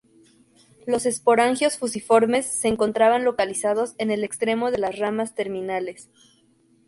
Los esporangios fusiformes se encontraban localizados en el extremo de la ramas terminales.